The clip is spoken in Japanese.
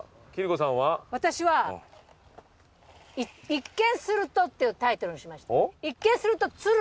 「一見すると」っていうタイトルにしました。